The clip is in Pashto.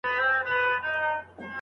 که استاد د املا په پای کي نمرې ورکړي.